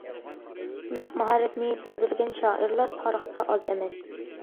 بۇنداق ماھارەتنى يېتىلدۈرگەن شائىرلار تارىختا ئاز ئەمەس.